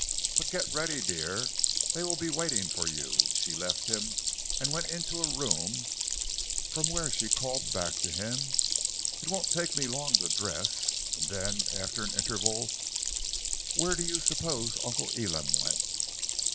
But get ready, dear; they will be waiting for you!" She left him and went into a room, from where she called back to him: "It won't take me long to dress." And then, after an interval: "Where do you suppose Uncle Elam went?"